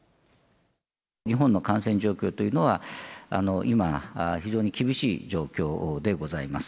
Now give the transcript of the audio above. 日本の感染状況というのは、今、非常に厳しい状況でございます。